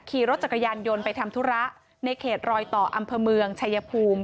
ขี่รถจักรยานยนต์ไปทำธุระในเขตรอยต่ออำเภอเมืองชายภูมิ